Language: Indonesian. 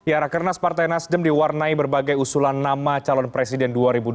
ya rakernas partai nasdem diwarnai berbagai usulan nama calon presiden dua ribu dua puluh